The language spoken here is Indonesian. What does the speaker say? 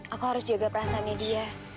aku harus jaga perasaannya dia